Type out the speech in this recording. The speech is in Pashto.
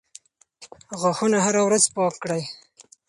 غاښونه هره ورځ پاک کړئ.